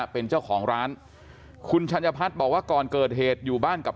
เป็นเจ้าของร้านคุณชัญพัฒน์บอกว่าก่อนเกิดเหตุอยู่บ้านกับ